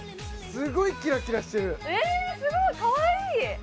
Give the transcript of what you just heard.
すごいキラキラしてるえっすごいかわいい！